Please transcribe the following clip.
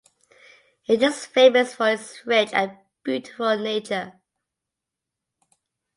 It is famous for its rich and beautiful nature.